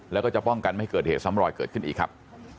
แล้วก็จะป้องกันไม่ให้เกิดเหตุซ้ำรอยเกิดขึ้นอีกครับ